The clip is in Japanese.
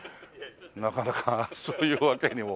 なかなかそういうわけにも。